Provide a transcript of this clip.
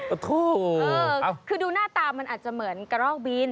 ถูกคือดูหน้าตามันอาจจะเหมือนกระรอกบิน